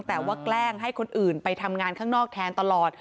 แต่ว่าแกล้งให้คนอื่นไปทำงานข้างนอกแทนตลอด